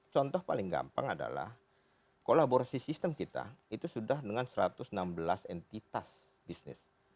contoh paling gampang adalah kolaborasi sistem kita itu sudah dengan satu ratus enam belas entitas bisnis